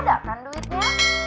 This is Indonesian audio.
udah kan duitnya